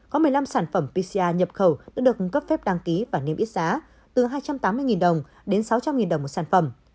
có một mươi năm sản phẩm pcr nhập khẩu đã được cấp phép đăng ký và niêm yết giá từ hai trăm tám mươi đồng đến sáu trăm linh đồng một sản phẩm